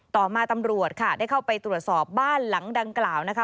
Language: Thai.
ต่อมาตำรวจค่ะได้เข้าไปตรวจสอบบ้านหลังดังกล่าวนะคะ